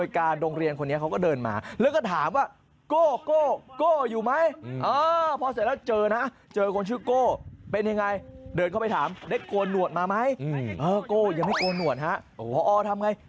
ยังไม่โกนหน่วนฮะหออทำอย่างไร